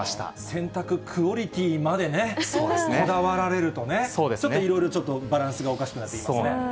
洗濯クオリティーまでね、こだわられるとね、ちょっといろいろバランスがおかしくなってきますね。